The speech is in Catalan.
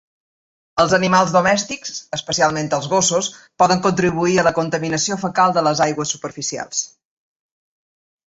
Els animals domèstics, especialment els gossos, poden contribuir a la contaminació fecal de les aigües superficials.